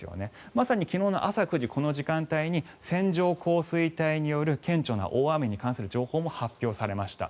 まさに昨日の朝９時この時間帯に線状降水帯による顕著な大雨に関する情報も発表されました。